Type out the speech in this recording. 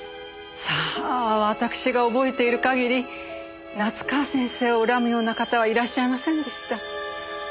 さあわたくしが覚えている限り夏河先生を恨むような方はいらっしゃいませんでした。